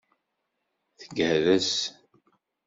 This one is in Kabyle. Tgerrez.